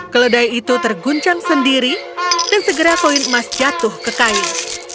keledai itu terguncang sendiri dan segera koin emas jatuh ke kain